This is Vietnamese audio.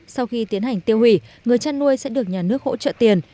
sau khi tiến hành tiêu hủy người chăn nuôi sẽ được nhà nước hỗ trợ tiền